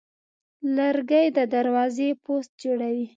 لرګی د دروازې پوست جوړوي.